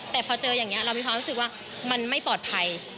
แต่พอเจออย่างนี้เรามีความรู้สึกว่ามันไม่ปลอดภัย